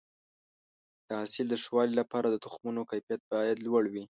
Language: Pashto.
د حاصل د ښه والي لپاره د تخمونو کیفیت باید لوړ وي.